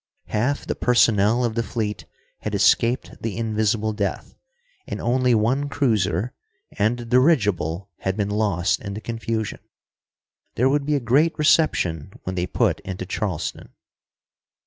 Half the personnel of the fleet had escaped the invisible death, and only one cruiser and the dirigible had been lost in the confusion. There would be a great reception when they put into Charleston.